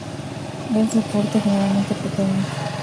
Es de porte generalmente pequeño.